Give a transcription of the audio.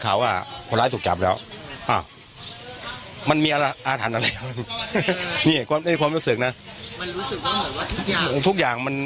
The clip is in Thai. คิดว่าพี่ม่านเขาน่าจะเปิดทางตรงนั้น